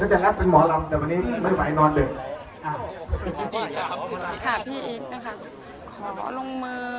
เรามาลุ้นกันนะครับว่าจะโชว์รีลายยังไงบ้าง